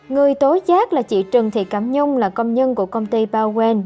người tố giác là chị trần thị cảm nhung là công nhân của công ty bao quen